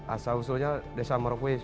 asal usulnya desa murakuis